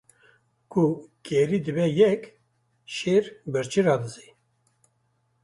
Ku kerî dibe yek, şêr birçî radize.